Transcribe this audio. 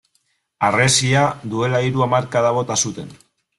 Harresia duela hiru hamarkada bota zuten.